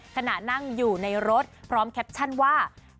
ขณะนั่งอยู่ในรถพร้อมแคปชั่นว่า